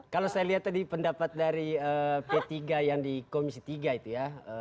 kalau saya lihat tadi pendapat dari p tiga yang di komisi tiga itu ya